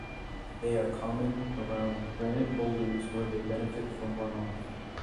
They are common around granite boulders where they benefit from runoff.